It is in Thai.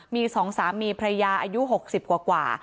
มี๒สามีพระยาอายุ๖๐กว่า